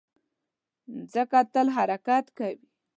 مځکه تل حرکت کوي.